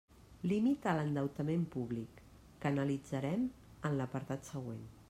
Límit a l'endeutament públic, que analitzarem en l'apartat següent.